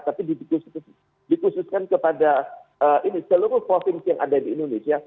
tapi dikhususkan kepada seluruh provinsi yang ada di indonesia